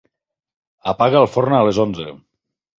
Apaga el forn a les onze.